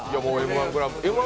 「Ｍ−１」